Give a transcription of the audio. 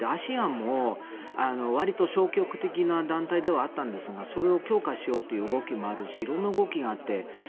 ＡＳＥＡＮも、割と消極的な団体ではあったわけですがそれを強化しようという動きもあるしいろんな動きがあって。